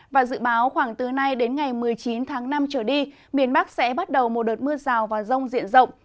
và dự báo khoảng từ nay đến ngày một mươi chín tháng năm trở đi miền bắc sẽ bắt đầu một đợt mưa rào và rông diện rộng